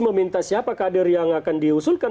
meminta siapa kader yang akan diusulkan